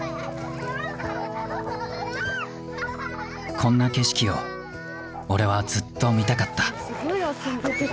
こんな景色を俺はずっと見たかった。